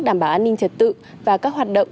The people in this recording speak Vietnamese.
đảm bảo an ninh trật tự và các hoạt động